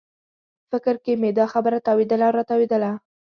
په فکر کې مې دا خبره تاوېدله او راتاوېدله.